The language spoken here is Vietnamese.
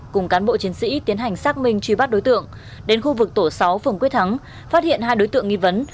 cùng cán bộ chiến sĩ tiến hành xác minh truy bắt đối tượng đến khu vực tổ sáu phường quyết thắng phát hiện hai đối tượng nghi vấn